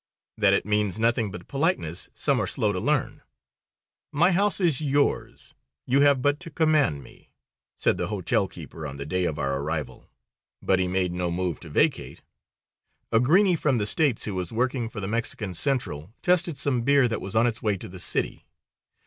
That it means nothing but politeness some are slow to learn. "My house is yours; you have but to command me," said the hotel keeper on the day of our arrival; but he made no move to vacate. A "greeny" from the States who was working for the Mexican Central tested some beer that was on its way to the city.